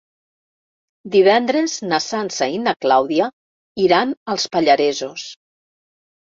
Divendres na Sança i na Clàudia iran als Pallaresos.